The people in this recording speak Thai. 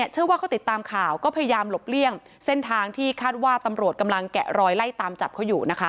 เชื่อว่าเขาติดตามข่าวก็พยายามหลบเลี่ยงเส้นทางที่คาดว่าตำรวจกำลังแกะรอยไล่ตามจับเขาอยู่นะคะ